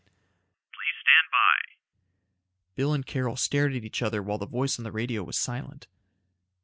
"Please stand by." Bill and Carol stared at each other while the voice on the radio was silent.